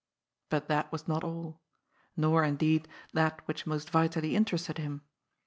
But that was not all ; nor, indeed, that which most vitally interested him.